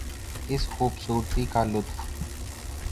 اس خوبصورتی کا لطف